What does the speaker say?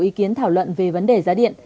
ý kiến thảo luận về vấn đề giá điện